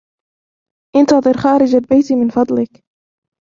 انتظر خارج البيت من فضلك.